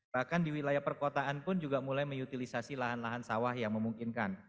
bahkan di wilayah perkotaan pun juga mulai mengutilisasi lahan lahan sawah yang memungkinkan